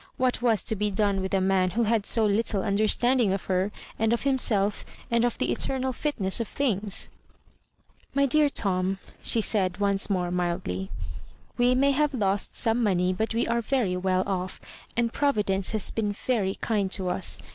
What was to be done with a man who had so little understanding of her, and of himself^ and of the eternal fitness of things ?•" My dear Tom," she said once more, mildly, "we may have lost some money but we are very woU off, and Providence has been very kind to us.